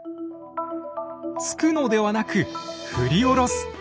突くのではなく振り下ろす。